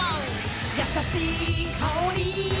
「やさしいかおり」「」